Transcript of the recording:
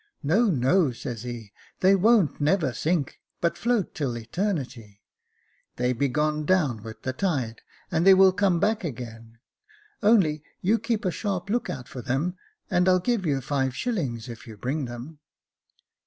* No, no,' says he, * they wo'n't never sink, but float till eternity 5 they be gone down with the tide, and they will come back again : only you keep a sharp look out for them, and I'll give you five shillings, if you bring them.'